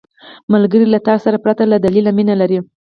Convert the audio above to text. ملګری له تا سره پرته له دلیل مینه لري